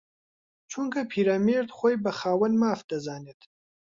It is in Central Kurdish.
چونکە پیرەمێرد خۆی بە خاوەن ماف دەزانێت